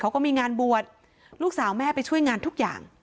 เขาก็มีงานบวชลูกสาวแม่ไปช่วยงานทุกอย่าง